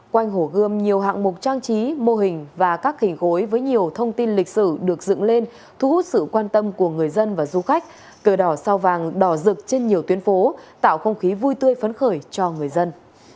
quanh hồ gươm nhiều hạng mục trang trí mô hình và các hình gối với nhiều thông tin lịch sử được dựng lên thu hút sự quan tâm của người dân và du khách cờ đỏ sao vàng đỏ rực trên nhiều tuyến phố tạo không khí vui tươi phấn khởi cho người dân